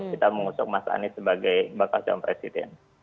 kita mengusok mas anies sebagai bakal jom presiden